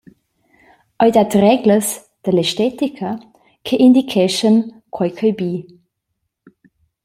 Ei dat reglas dall’estetica che indicheschan quei ch’ei bi.